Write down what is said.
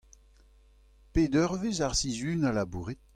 Pet eurvezh ar sizhun a labourit ?